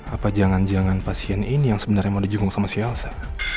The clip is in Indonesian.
apa jangan jangan pasien ini yang sebenarnya mau dijung sama si elsa